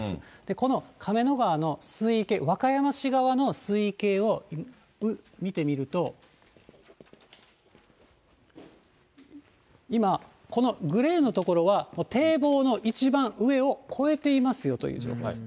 この亀の川の水位計、和歌山市側の水位計を見てみると、今、このグレーの所は、堤防の一番上を超えていますよという情報があります。